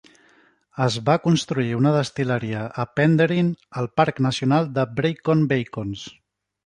Es va construir una destil·leria a Penderyn, al Parc Nacional de Brecon Beacons.